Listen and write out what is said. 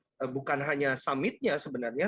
presiden sudah diselamatkan yang bukan hanya summitnya